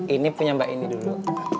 ini punya mbak ini dulu